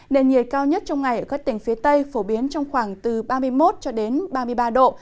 nền nhiệt cao nhất trong ngày ở các tỉnh phía tây phổ biến trong khoảng từ ba mươi một cho đến ba mươi ba độ